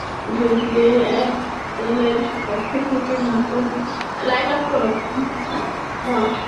যদিও অ্যাপলের পক্ষ থেকে নতুন ম্যাকের বিষয়ে নিশ্চিত করে কিছু বলা হয়নি।